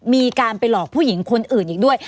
มีการไปหลอกผู้หญิงคนอื่นอีกด้วย